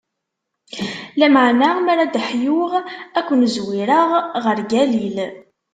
Lameɛna mi ara ad d-ḥyuɣ, ad ken-zwireɣ ɣer Galil.